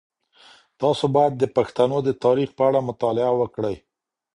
تاسو باید د پښتنو د تاریخ په اړه مطالعه وکړئ.